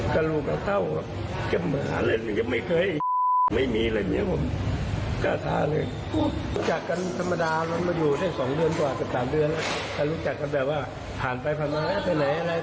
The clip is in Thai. แต่รู้จักกันแบบว่าผ่านไปผ่านมาไปไหนอะไรแบบนี้